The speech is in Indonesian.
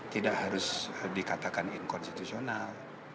tidak harus dikatakan inkonstitusional